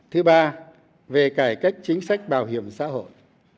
thứ ba về cải cách chính sách bảo hiểm xã hội